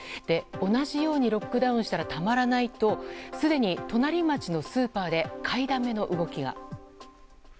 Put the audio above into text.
同じようにロックダウンしたらたまらないとすでに隣町のスーパーで買いだめの動きが。